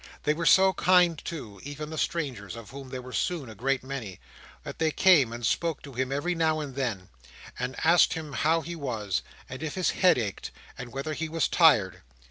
They were so kind, too, even the strangers, of whom there were soon a great many, that they came and spoke to him every now and then, and asked him how he was, and if his head ached, and whether he was tired.